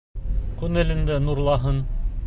Күңелеңде нурлаһын.